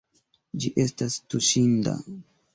Ĝi estas tuŝinda.